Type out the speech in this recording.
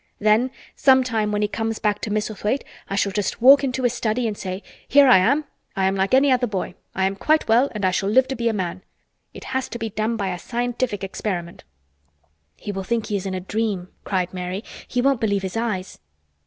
Then sometime when he comes back to Misselthwaite I shall just walk into his study and say 'Here I am; I am like any other boy. I am quite well and I shall live to be a man. It has been done by a scientific experiment.'" "He will think he is in a dream," cried Mary. "He won't believe his eyes."